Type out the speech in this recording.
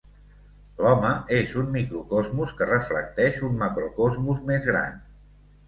L'home és un microcosmos que reflecteix un macrocosmos més gran.